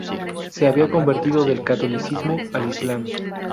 Se había convertido del catolicismo al islam.